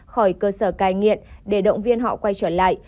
khỏi cơ sở cai nghiện để động viên họ quay trở lại